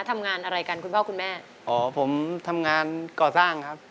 ทำงานอะไรกันคุณพ่อคุณแม่อ๋อผมทำงานก่อสร้างครับ